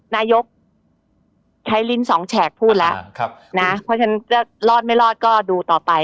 นายกใช้ลิ้นสองแฉกพูดแล้วนะเพราะฉะนั้นจะรอดไม่รอดก็ดูต่อไป